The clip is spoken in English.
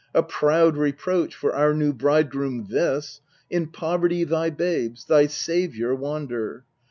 A proud reproach for our new bridegroom this In poverty thy babes, thy saviour, wander